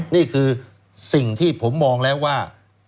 นี่คือสิ่งที่ผมมองแล้วว่า